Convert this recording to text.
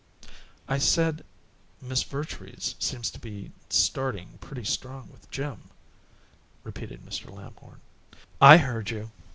"I said Miss Vertrees seems to be starting pretty strong with Jim," repeated Mr. Lamhorn. "I heard you."